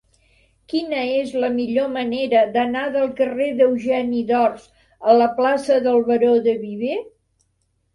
Quina és la millor manera d'anar del carrer d'Eugeni d'Ors a la plaça del Baró de Viver?